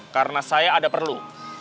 karena saya ada perlu